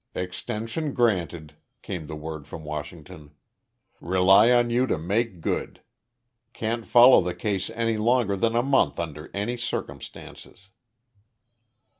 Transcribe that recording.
"Extension granted," came the word from Washington. "Rely on you to make good. Can't follow case any longer than a month under any circumstances."